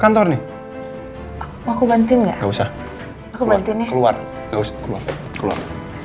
kantor nih aku bantuin nggak usah aku bantuinnya keluar